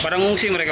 pada mengungsi mereka